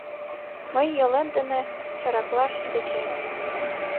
Мый йолем дене чараклаш тӧчем.